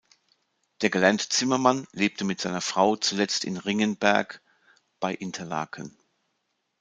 Der gelernte Zimmermann lebte mit seiner Frau zuletzt in Ringgenberg bei Interlaken.